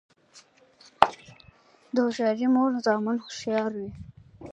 د هوښیارې مور زامن هوښیار وي.